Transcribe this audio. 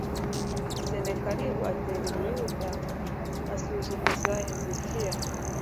senakeribu atera i buyuda asuzuguza hezekiya